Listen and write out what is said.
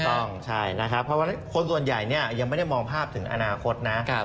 ถูกต้องใช่นะครับเพราะฉะนั้นคนส่วนใหญ่เนี่ยยังไม่ได้มองภาพถึงอนาคตนะ